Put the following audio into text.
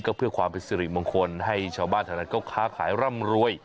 ก็เพื่อความเป็นสิริมงคลให้ชาวบ้านแถวนั้นก็ค้าขายร่ำรวย